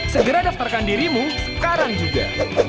segera daftarkan dirimu sekarang juga